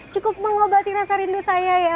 cukup mengobati nasar ini saya